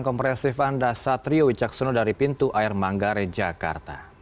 kompresif anda satrio wicaksono dari pintu air manggare jakarta